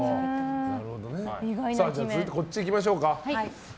続いて、こちら行きましょうか。